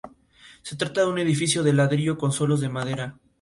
Se trata de un edificio de ladrillo, con suelos de madera.